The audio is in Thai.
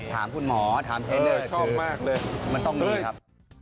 ถามคุณหมอถามเทเนอร์มันต้องมีครับ